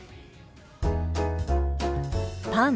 「パン」。